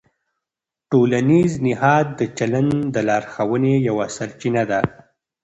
ټولنیز نهاد د چلند د لارښوونې یوه سرچینه ده.